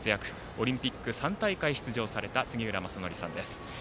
オリンピック３大会出場された杉浦正則さんです。